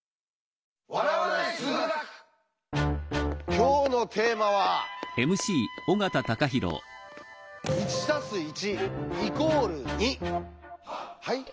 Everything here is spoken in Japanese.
今日のテーマは「はい？